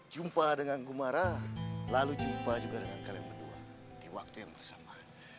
jumpa dengan gumara lalu jumpa juga dengan kalian berdua di waktu yang bersama